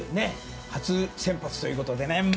初先発ということでね。